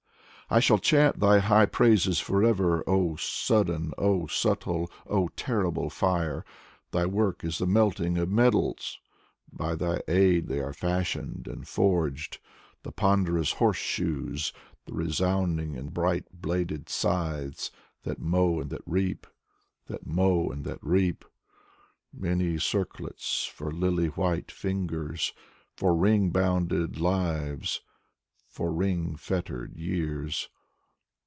I shall chant thy high praises forever! O sudden, O subtle, O terrible Fire! Thy work is the melting of metals ; By thy aid are they fashioned and forged: The ponderous horse shoes; The resounding and bright bladed scythes: That mow and that reap. That mow and that reap; 78 Konstantin Balmont Many circlets for lily white fingers, For ring bounded lives, For ring fettered years.